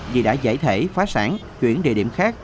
vì đã giải thể phá sản chuyển địa điểm khác